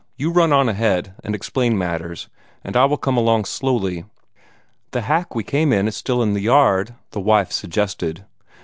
You run on ahead, and explain matters, and I will come along slowly." "The hack we came in is still there in the yard," the wife suggested.